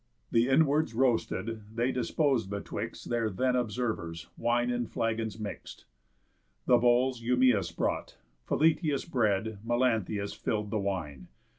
The inwards roasted they dispos'd bewixt Their then observers, wine in flagons mixt. The bowls Eumæus brought, Philœtius bread, Melanthius fill'd the wine.